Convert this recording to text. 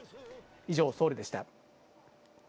以上、ソウルでした。